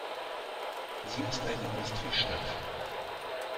Sie ist eine Industriestadt.